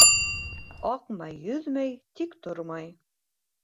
Аҡмай, йөҙмәй, тик тормай.